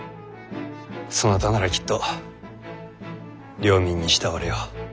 そなたならきっと領民に慕われよう。